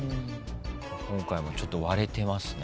今回もちょっと割れてますね。